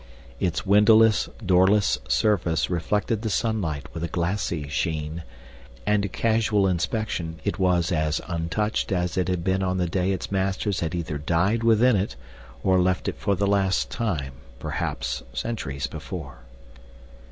Its windowless, doorless surface reflected the sunlight with a glassy sheen, and to casual inspection it was as untouched as it had been on the day its masters had either died within it or left it for the last time, perhaps centuries before.